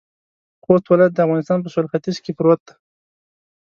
خوست ولایت د افغانستان په سویل ختيځ کې پروت دی.